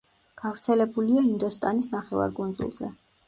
გავრცელებულია ინდოსტანის ნახევარკუნძულზე.